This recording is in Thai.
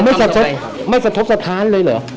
เราทำไปเนี่ยเราไม่สะทบสะท้านเลยเหรอ